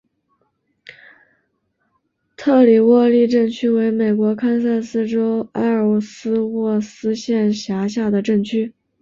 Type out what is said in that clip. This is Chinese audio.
特里沃利镇区为美国堪萨斯州埃尔斯沃思县辖下的镇区。